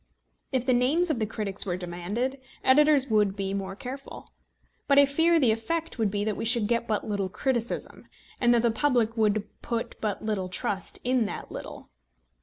If the names of the critics were demanded, editors would be more careful. But I fear the effect would be that we should get but little criticism, and that the public would put but little trust in that little.